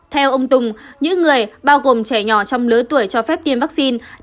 theo ông tùng những người bao gồm trẻ nhỏ trong lứa tuổi cho phép tiêm vaccine